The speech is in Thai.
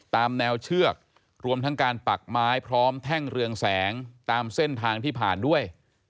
ตามแนวเชือกรวมทั้งการปักไม้พร้อมแท่งเรืองแสงตามเส้นทางที่ผ่านด้วย